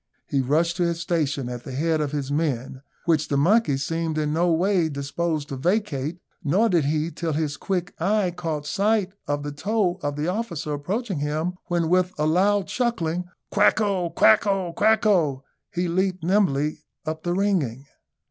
He rushed to his station at the head of his men, which the monkey seemed in no way disposed to vacate, nor did he till his quick eye caught sight of the toe of the officer approaching him, when, with a loud chuckling "Quacko! quacko! quacko!" he leaped nimbly up the ringing.